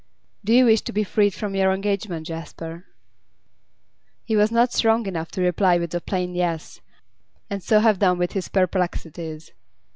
'Do you wish to be freed from your engagement, Jasper?' He was not strong enough to reply with a plain 'Yes,' and so have done with his perplexities.